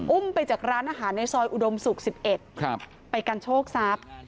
อุ้มไปจากร้านอาหารในซอยอุดมศุกร์๑๑ไปกันโชคทรัพย์